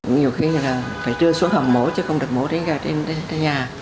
nhiều khi là phải đưa xuống hầm mổ chứ không được mổ đánh ra trên nhà